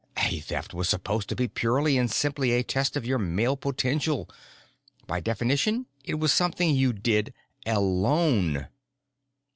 A Theft was supposed to be purely and simply a test of your male potential; by definition, it was something you did alone.